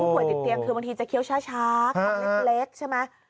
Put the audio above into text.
ป่วยติดเตียงคือบางทีจะเคี้ยวช้าคำเล็กใช่ไหม